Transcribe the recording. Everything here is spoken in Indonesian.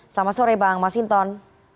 selamat sore bang masinton